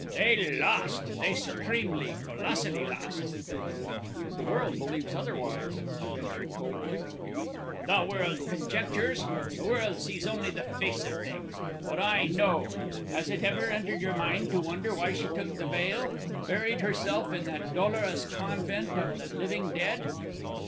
"They lost. They supremely, colossally lost." "But the world believes otherwise," I ventured coldly. "The world conjectures. The world sees only the face of things. But I know. Has it ever entered your mind to wonder why she took the veil, buried herself in that dolorous convent of the living dead?"